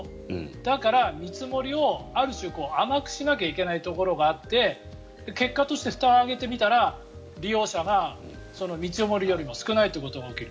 だから見積もりをある種、甘くしなきゃいけないところがあって結果としてふたを開けてみたら利用者が見積もりよりも少ないということが起きる。